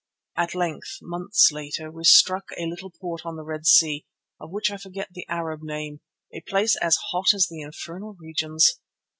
At length, months later, we struck a little port on the Red Sea, of which I forget the Arab name, a place as hot as the infernal regions.